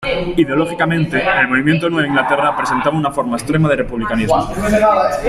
Ideológicamente, el movimiento de Nueva Inglaterra presentaba una forma extrema de republicanismo.